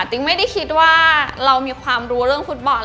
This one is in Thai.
จริงไม่ได้คิดว่าเรามีความรู้เรื่องฟุตบอล